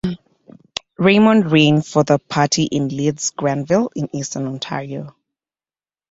Raymond ran for the party in Leeds-Grenville in eastern Ontario.